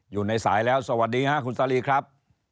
อยู่ในสายแล้วสวัสดีค่ะคุณตาลีครับ